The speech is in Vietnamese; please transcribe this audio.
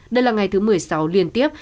đây là ngày thứ một mươi sáu liên tiếp